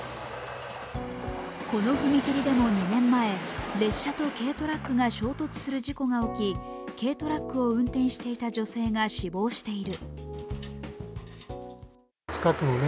この踏切でも２年前列車と軽トラックが衝突する事故が起き軽トラックを運転していた女性が死亡している。